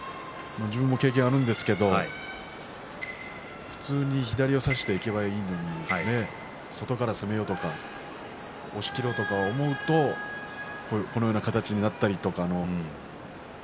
自分も経験があるんですけども左を普通に差していきたいのに外から攻めようとか押しきろうとか思うとこのような形になったりとかいうこともあるんですね。